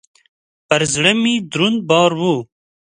پر زړه مي دروند بار و .